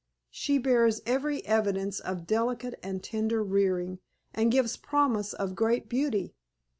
She bears every evidence of delicate and tender rearing, and gives promise of great beauty.